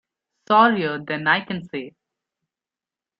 Sorrier than I can say.